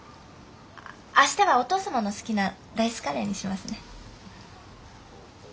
明日はお義父様の好きなライスカレーにしますね。